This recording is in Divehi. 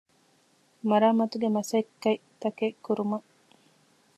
މަރާމާތުގެ މަސައްކަތްތަކެއް ކުރުމަށް